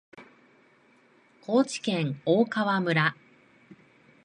高知県大川村